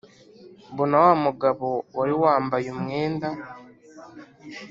Mbona wa mugabo wari wambaye umwenda